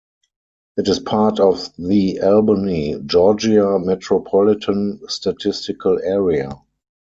It is part of the Albany, Georgia Metropolitan Statistical Area.